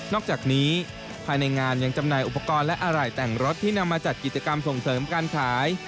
อกจากนี้ภายในงานยังจำหน่ายอุปกรณ์และอะไหล่แต่งรถที่นำมาจัดกิจกรรมส่งเสริมการขาย